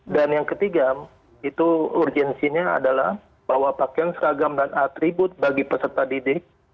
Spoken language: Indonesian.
dan yang ketiga itu urgensinya adalah bahwa pakaian seragam dan atribut bagi peserta didik